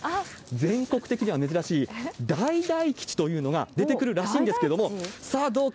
全国的には珍しい、大大吉というのが出てくるらしいんですけれども、さあ、どうか。